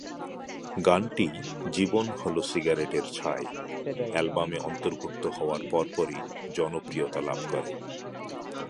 গানটি "জীবন হলো সিগারেটের ছাই" অ্যালবামে অন্তর্ভুক্ত হওয়ার পরপরই জনপ্রিয়তা লাভ করে।